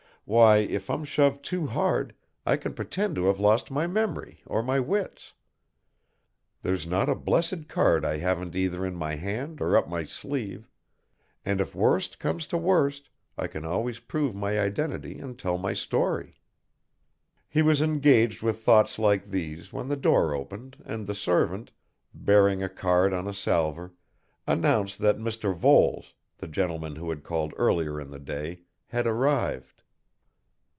Why, if I'm shoved too hard, I can pretend to have lost my memory or my wits there's not a blessed card I haven't either in my hand or up my sleeve, and if worst comes to worst, I can always prove my identity and tell my story." He was engaged with thoughts like these when the door opened and the servant, bearing a card on a salver, announced that Mr. Voles, the gentleman who had called earlier in the day, had arrived.